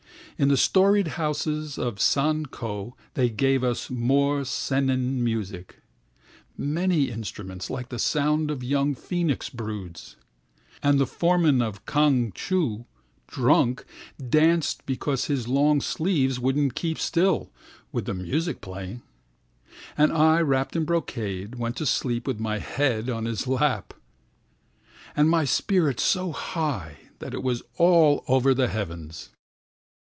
In the storied houses of San Ko they gave usmore Sennin music; Many instruments, like the sound of young phœnix broods. And the foreman of Kan Chu, drunk, Danced because his long sleevesWouldn't keep still, with that music playing. And I, wrapped in brocade, went to sleep with my head on his lap, And my spirit so high that it was all over the heavens.